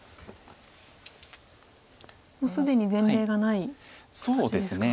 もう既に前例がない形ですか？